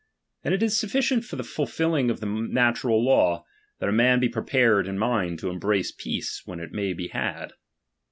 And it is sufficient for the fulfilling of the natural law, that a man be prepared in mind to embrace peace when it may be had.